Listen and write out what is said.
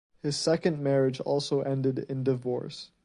His second marriage also ended in divorce.